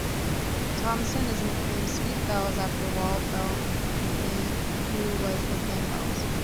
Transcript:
Thompson is nicknamed "sweet bells" after Walt Bellamy, who was nicknamed "bells.